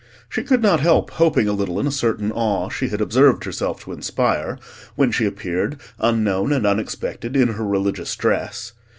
She could not help hoping a little in a certain awe she had observed herself to inspire, when she appeared, unknown and unexpected, in her religious dress.